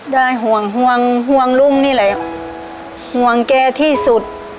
ห่วงห่วงห่วงลุงนี่แหละห่วงแกที่สุด